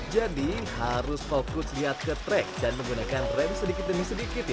jadi harus fokus lihat ke trek dan menggunakan rem sedikit demi sedikit ya